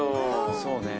そうね。